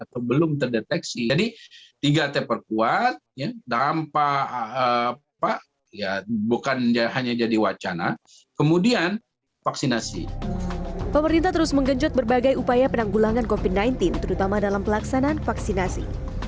pemerintah terus menggenjot berbagai upaya penanggulangan covid sembilan belas terutama dalam pelaksanaan vaksinasi